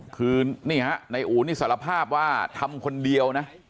คือนี่ฮะนายอู๋นี่สารภาพว่าทำคนเดียวนะ